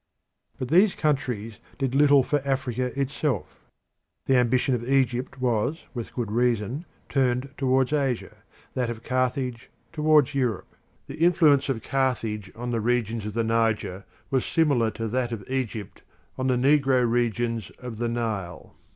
But these countries did little for Africa itself. The ambition of Egypt was with good reason turned towards Asia, that of Carthage towards Europe. The influence of Carthage on the regions of the Niger was similar to that of Egypt on the negro regions of the Nile.